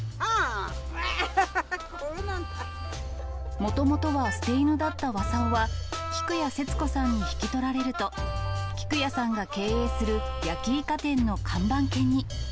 もともとは捨て犬だったわさおは、菊谷節子さんに引き取られると、菊谷さんが経営する焼きイカ店の看板犬に。